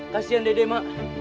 kasian dede mak